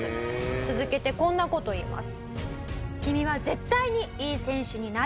続けてこんな事言います。